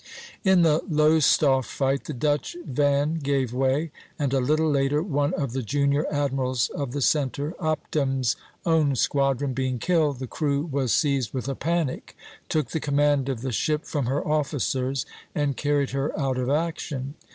In the Lowestoft fight the Dutch van gave way; and a little later one of the junior admirals of the centre, Opdam's own squadron, being killed, the crew was seized with a panic, took the command of the ship from her officers, and carried her out of action.